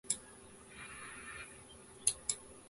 バカだよね君は